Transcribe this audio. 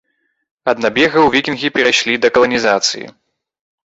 Ад набегаў вікінгі перайшлі да каланізацыі.